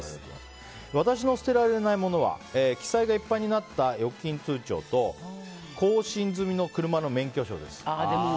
私の捨てられないものは記載がいっぱいになった預金通帳と更新済みの車の免許証です。